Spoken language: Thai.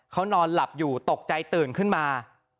เขานอนหลับอยู่ตกใจตื่นขึ้นมา